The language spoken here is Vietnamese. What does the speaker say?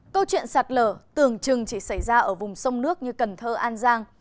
câu chuyện sạt lở tưởng chừng chỉ xảy ra ở vùng sông nước như cần thơ an giang